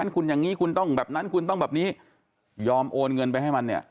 คุณต้องแบบนั้นคุณต้องแบบนี้ยอมโอนเงินไปให้มันเนี่ย